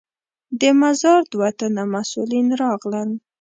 د مزار دوه تنه مسوولین راغلل.